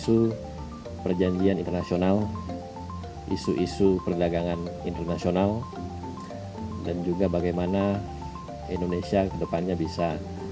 isu perjanjian internasional isu isu perdagangan internasional dan juga bagaimana indonesia kedepannya bisa